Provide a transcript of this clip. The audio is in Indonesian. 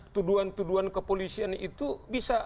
tuduhan tuduhan kepolisian itu bisa